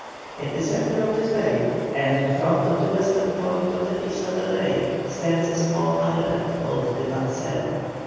In the centre of this bay and in front of the western point of the Isla del Rey stands a small island called the Mancera.